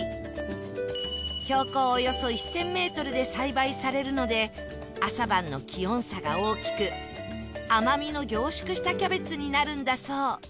標高およそ１０００メートルで栽培されるので朝晩の気温差が大きく甘みの凝縮したキャベツになるんだそう